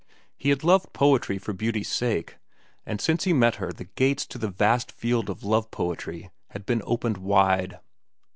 He had loved poetry for beauty's sake; but since he met her the gates to the vast field of love poetry had been opened wide.